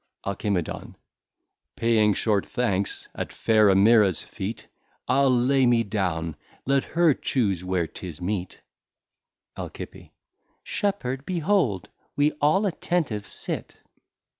Alci. Paying short thanks, at fair Amiras feet, I'le lay me down: let her choose where 'tis meet Al. Shepherd, behold, we all attentive sit.